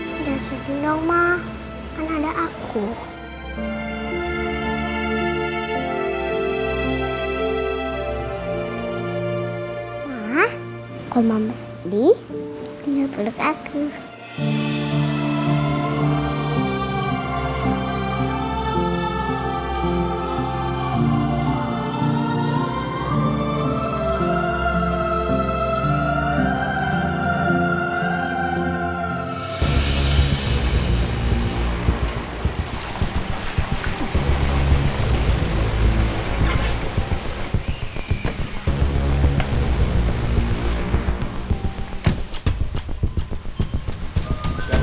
kita sebenernya belom pratanda